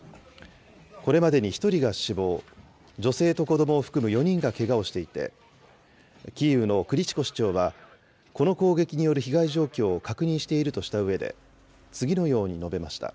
これまでに１人が死亡、女性と子どもを含む４人がけがをしていて、キーウのクリチコ市長はこの攻撃による被害状況を確認しているとしたうえで、次のように述べました。